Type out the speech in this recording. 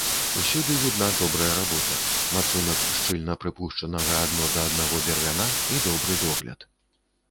Усюды відна добрая работа, мацунак шчыльна прыпушчанага адно да аднаго бервяна і добры догляд.